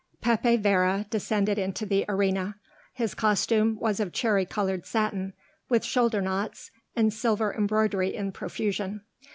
'" Pepe Vera descended into the arena. His costume was of cherry colored satin, with shoulder knots and silver embroidery in profusion.